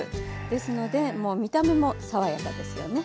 ですので見た目も爽やかですよね。